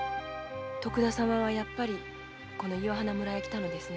徳田様はやっぱりこの岩鼻村へ来たのですね。